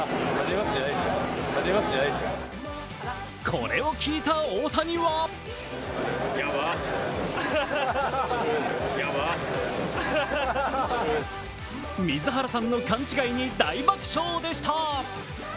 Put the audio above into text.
これを聞いた大谷は水原さんの勘違いに大爆笑でした。